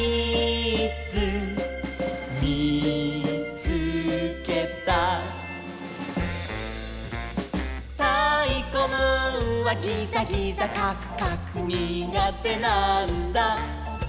つけた」「たいこムーンはギザギザカクカクにがてなんだ」